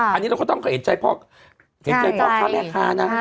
อันนี้เราก็ต้องเข้าเอ่งใจพอกราคานะคะ